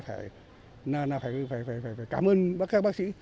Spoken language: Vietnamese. phải cảm ơn các bác sĩ